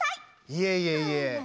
いえいえいえ。